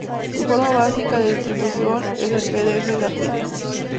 Su forma básica de distribución es el pdf gratuito.